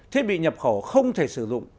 thiết bị nhập khẩu không thể sử dụng